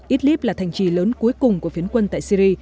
idlib là thành trì lớn cuối cùng của phiến quân tại syri